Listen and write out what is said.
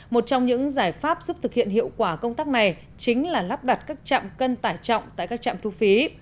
một trong những giải pháp giúp thực hiện hiệu quả công tác này chính là lắp đặt các trạm cân tải trọng tại các trạm thu phí